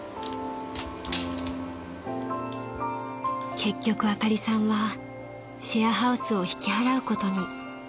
［結局あかりさんはシェアハウスを引き払うことに］